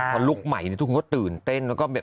พอลุคใหม่ทุกคนก็ตื่นเต้นแล้วก็แบบ